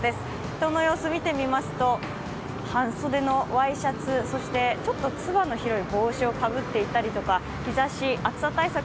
人の様子を見てみますと半袖のワイシャツ、そしてちょっとつばの広い帽子をかぶっていたりとか日ざし暑さ対策